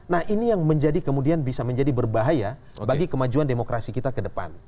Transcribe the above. nah ini yang menjadi kemudian bisa menjadi berbahaya bagi kemajuan demokrasi kita ke depan